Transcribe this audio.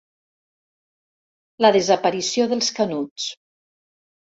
La desaparició dels Canuts.